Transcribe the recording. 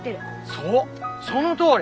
そうそのとおり！